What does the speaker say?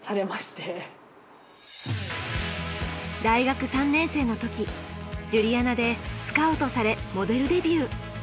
大学３年生の時ジュリアナでスカウトされモデルデビュー。